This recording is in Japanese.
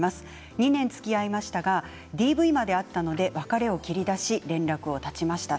２年つきあいましたがＤＶまであったので別れを切り出し連絡を絶ちました。